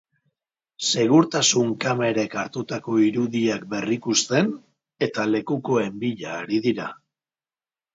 Segurtasun kamerek hartutako irudiak berrikusten eta lekukoen bila ari dira.